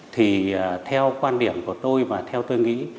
thì theo quan điểm của tôi và theo tôi nghĩ